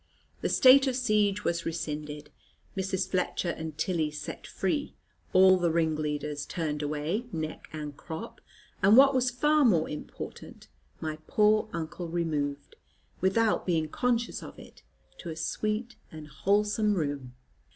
The state of siege was rescinded, Mrs. Fletcher and Tilly set free, all the ringleaders turned away neck and crop, and what was far more important, my poor uncle removed, without being conscious of it, to a sweet and wholesome room.